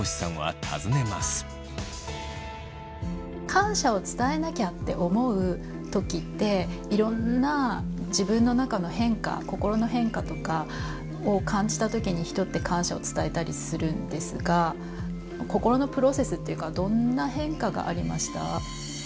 感謝を伝えなきゃって思う時っていろんな自分の中の変化心の変化とかを感じた時に人って感謝を伝えたりするんですが心のプロセスっていうかどんな変化がありました？